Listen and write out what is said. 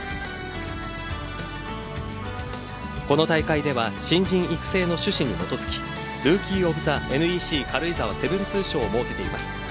この大会では新人育成の趣旨に基づきルーキー・オブ・ザ・ＮＥＣ軽井沢７２賞を設けています。